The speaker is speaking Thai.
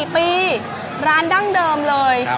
๔ปีร้านดั้งเดิมเลย